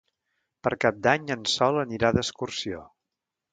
Per Cap d'Any en Sol anirà d'excursió.